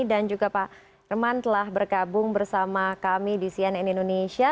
dan juga pak reman telah berkabung bersama kami di cnn indonesia